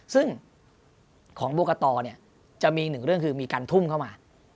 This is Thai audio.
ซึ่งของโบกตจะมีอีกหนึ่งเรื่องคือมีการทุ่มเข้ามา